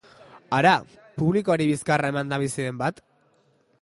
Hara, publikoari bizkarra emanda bizi den bat?